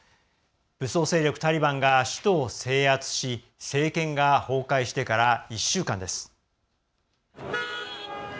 武装勢力タリバンが首都を制圧し政権が崩壊してから１週間です。